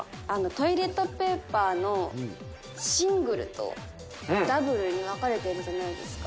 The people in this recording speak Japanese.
トイレットペーパーのシングルとダブルに分かれてるじゃないですか